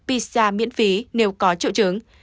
visa miễn phí nếu có triệu chứng